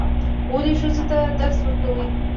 ولې ښځو ته درس ورکوئ؟